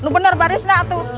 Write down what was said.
itu bener barisnya atuh